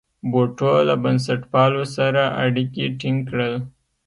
بوټو له بنسټپالو سره اړیکي ټینګ کړل.